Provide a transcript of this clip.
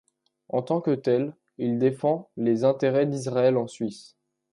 En tant que tel, il défend les intérêts d'Israël en Suisse.